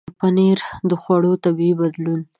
پنېر د خوړو طبعیت بدلوي.